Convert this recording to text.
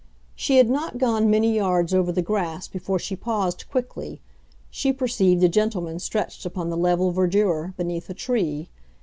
She had not gone many yards over the grass before she paused quickly; she perceived a gentleman stretched upon the level verdure, beneath a tree.